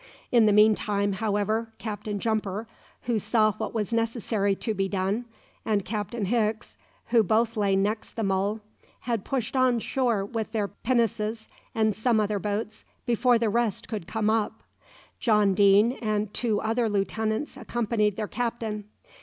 In the meantime, however, Captain Jumper, who saw what was necessary to be done, and Captain Hicks, who both lay next the Mole, had pushed on shore with their pinnaces and some other boats before the rest could come up. John Deane and two other lieutenants accompanied their captain.